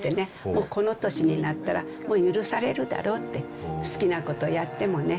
もうこの年になったら、もう許されるだろうって、好きなことやってもね。